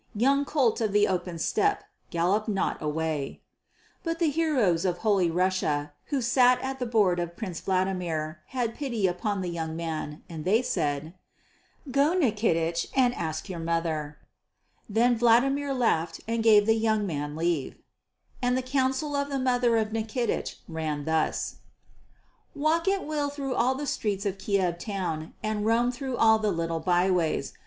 Young colt of the open steppe, gallop not away." But the heroes of Holy Russia who sat at the board of Prince Vladimir had pity upon the young man and they said, "Go, Nikitich, and ask your mother." Then Vladimir laughed and gave the young man leave. And the counsel of the mother of Nikitich ran thus: "Walk at will through all the streets of Kiev town and roam through all the little by ways.